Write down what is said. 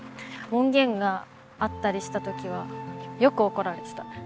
門限があったりした時はよく怒られてた。